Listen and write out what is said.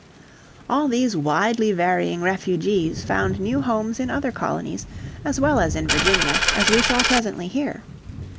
All these widely varying refugees found new homes in other colonies as well as in Virginia, as we shall presently hear.